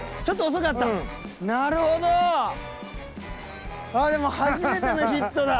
ちょっと遅かった。